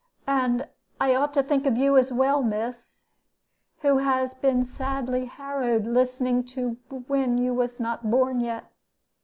And I ought to think of you as well, miss, who has been sadly harrowed listening when you was not born yet.